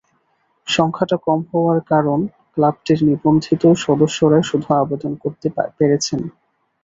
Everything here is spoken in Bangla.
সংখ্যাটা কম হওয়ার কারণ ক্লাবটির নিবন্ধিত সদস্যরাই শুধু আবেদন করতে পেরেছেন।